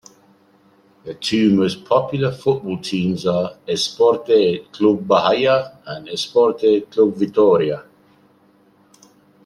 The two most popular football teams are Esporte Clube Bahia and Esporte Clube Vitoria.